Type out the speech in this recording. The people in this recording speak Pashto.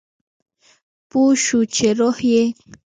پوه شو چې روح یې